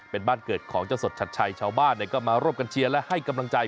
เป็นบ้านเกิดของเจ้าสดชัดชัยชาวบ้านก็มาร่วมกันเชียร์และให้กำลังใจ